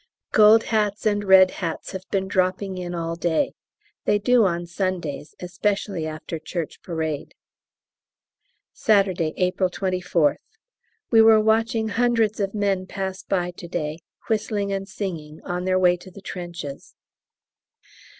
Gold hats and red hats have been dropping in all day. They do on Sundays especially after Church Parade. Saturday, April 24th. We were watching hundreds of men pass by to day, whistling and singing, on their way to the trenches.